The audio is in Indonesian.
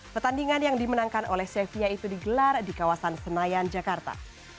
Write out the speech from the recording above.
pertandingan yang dimenangkan oleh sevia itu digelar di kawasan senayan jakarta